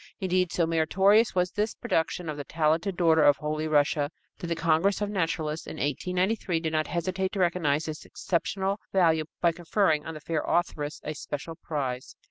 Indeed, so meritorious was this production of the talented daughter of Holy Russia that the Congress of Naturalists in 1893 did not hesitate to recognize its exceptional value by conferring on the fair authoress a special prize.